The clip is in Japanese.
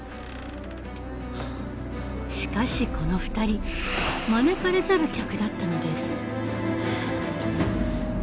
しかしこの２人招かれざる客だったのです。